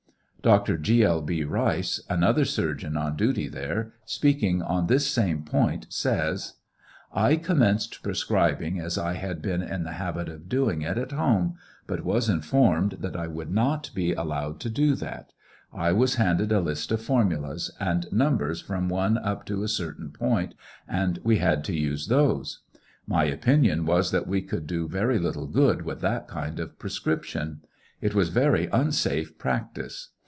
TRIAL OF HENRY WIRZ. 737 Dr. G. L. B. Rice, another surgeon on duty there, speaking on this same point' says : I commenced prescribinsr as I had been in the habit of doing it at home, but was informed that I wouldnot be allowed to do that ; I was handed a list of formulas, and numbers from 1 up to a certain point, and we had to use those. My opinion was that we could do very little good with that kind of prescription. It was very unsafe practice.